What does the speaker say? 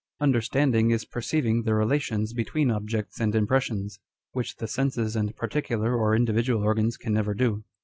UNDEUSTANDING is perceiving the relations between objects and impressions, which the senses and particular or individual organs can never do.